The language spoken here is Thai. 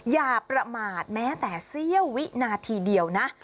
อย่าประมาทแม้แต่เสี้ยววินาทีเดียวนะ